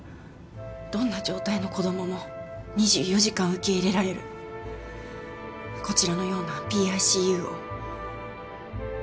どんな状態の子供も２４時間受け入れられるこちらのようなＰＩＣＵを。